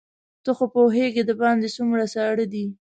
ته خو پوهېږې دباندې څومره ساړه دي.